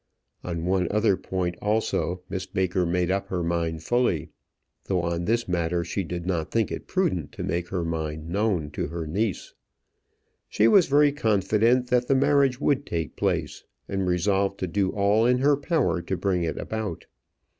On one other point, also, Miss Baker made up her mind fully; though on this matter she did not think it prudent to make her mind known to her niece. She was very confident that the marriage would take place, and resolved to do all in her power to bring it about.